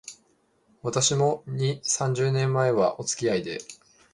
私も、二、三十年前は、おつきあいで